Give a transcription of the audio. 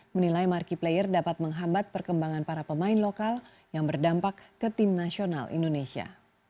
menilai marki player dapat menghambat perkembangan para pemain lokal yang berdampak ke tim nasional indonesia